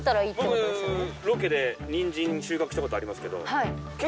僕ロケでにんじん収穫した事ありますけど。